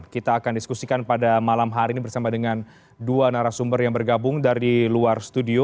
kita akan diskusikan pada malam hari ini bersama dengan dua narasumber yang bergabung dari luar studio